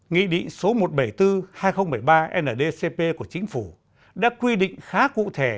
nghị định số một trăm bảy mươi bốn hai nghìn một mươi ba ndcp của chính phủ đã quy định khá cụ thể